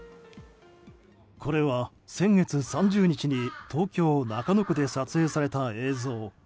これは先月３０日に東京・中野区で撮影された映像。